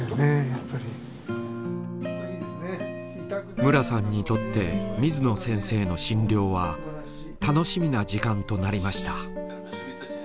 ムラさんにとって水野先生の診療は楽しみな時間となりました。